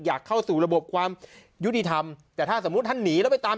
อยากเข้าสู่ระบบความยุติธรรมแต่ถ้าสมมุติท่านหนีแล้วไปตาม